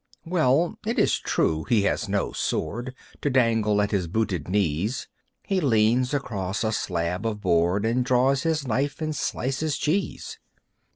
Well, it is true he has no sword To dangle at his booted knees. He leans across a slab of board, And draws his knife and slices cheese.